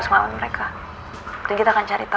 saya cuma merindui wc ringga